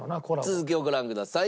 続きをご覧ください。